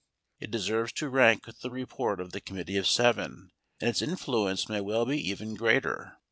It deserves to rank with the report of the Committee of Seven, and its influence may well be even greater.